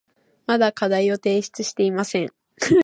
まだ課題を提出していません。